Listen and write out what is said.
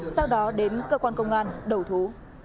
sau đó đến cơ quan công an đầu thú